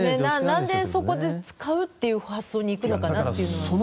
なんでそこで使うという発想に行くのかなというのは。